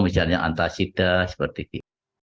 misalnya antasida seperti itu